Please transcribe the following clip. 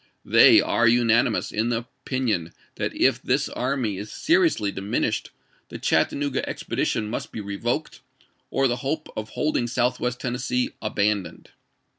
They are unanimous in opinion that if this army is seriously diminished the Chattanooga expedition must be revoked or the hope of holding Southwest Tennessee abandoned.